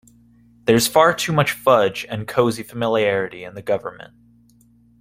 There's far too much fudge and cosy familiarity in government.